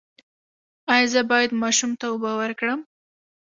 ایا زه باید ماشوم ته اوبه ورکړم؟